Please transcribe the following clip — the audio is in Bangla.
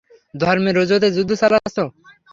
ধর্মের অজুহাতে যুদ্ধ চালাচ্ছো।